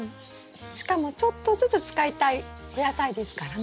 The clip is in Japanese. しかもちょっとずつ使いたいお野菜ですからね。